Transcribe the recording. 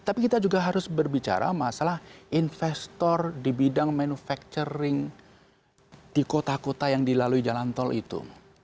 tapi kita juga harus berbicara masalah investor di bidang manufacturing di kota kota yang dilalui jalan tol itu